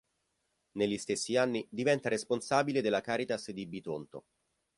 Negli stessi anni diventa responsabile della Caritas di Bitonto.